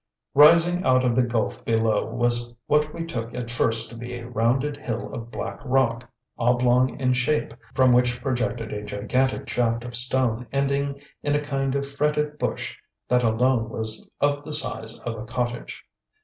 Rising out of the gulf below was what we took at first to be a rounded hill of black rock, oblong in shape, from which projected a gigantic shaft of stone ending in a kind of fretted bush that alone was of the size of a cottage.